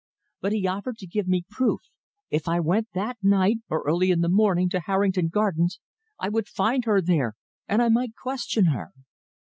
But he offered to give me proof. If I went that night, or early in the morning, to Harrington Gardens, I would find her there, and I might question her.